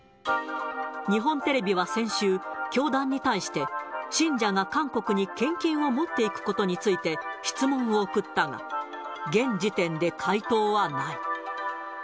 日本テレビは先週、教団に対して、信者が韓国に献金を持っていくことについて質問を送ったが、現時点で回答はない。